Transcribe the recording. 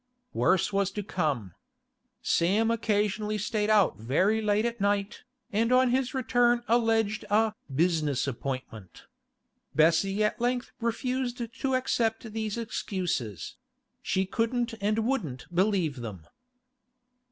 Worse was to come. Sam occasionally stayed out very late at night, and on his return alleged a 'business appointment.' Bessie at length refused to accept these excuses; she couldn't and wouldn't believe them.